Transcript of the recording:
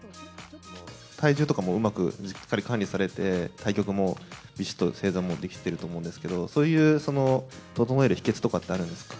体重とかもうまくしっかり管理されて、対局もびしっと正座もできていると思うんですけれども、そういう整える秘けつとかってあるんですか。